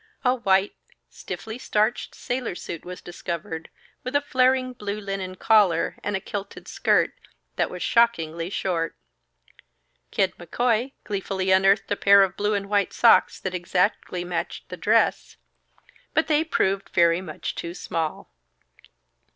A white, stiffly starched sailor suit was discovered, with a flaring blue linen collar, and a kilted skirt, that was shockingly short. Kid McCoy gleefully unearthed a pair of blue and white socks that exactly matched the dress, but they proved very much too small.